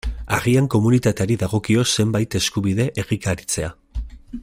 Agian komunitateari dagokio zenbait eskubide egikaritzea.